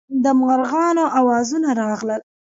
د مارغانو اوازونه راغلل.